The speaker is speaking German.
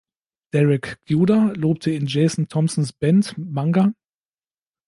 Derek Guder lobte in Jason Thompsons Band "Manga.